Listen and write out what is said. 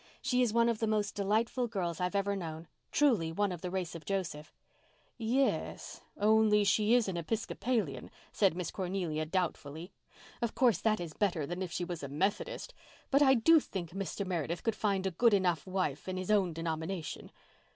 "She is one of the most delightful girls I've ever known—truly one of the race of Joseph." "Ye—s—only she is an Episcopalian," said Miss Cornelia doubtfully. "Of course, that is better than if she was a Methodist—but I do think Mr. Meredith could find a good enough wife in his own denomination.